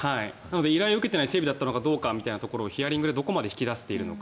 依頼を受けていない整備だったのかどうかというヒアリングでどこまで引き出せているのか。